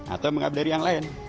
atau mengambil dari yang lain